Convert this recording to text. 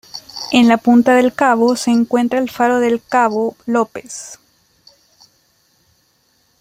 En la punta del cabo se encuentra el faro del cabo López.